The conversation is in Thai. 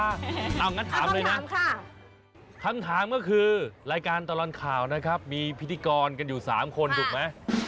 เอางั้นถามเลยนะคำถามก็คือรายการตลอดข่าวนะครับมีพิธีกรกันอยู่๓คนถูกไหม